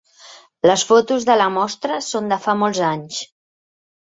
Les fotos de la mostra són de fa molts anys.